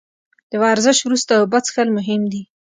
د ورزش وروسته اوبه څښل مهم دي